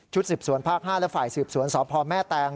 สืบสวนภาค๕และฝ่ายสืบสวนสพแม่แตง